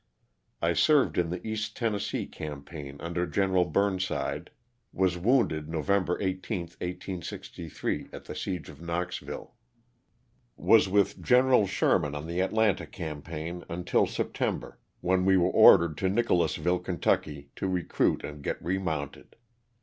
I served in the East Tennessee campaign under Gen. Burnside, was wounded November 18, 1863, at the siege of Knoxville. Was with Gen. Sherman on the Atlanta campaign until September when we were ordered to Nicholas ville, Ky., to recruit and get remounted.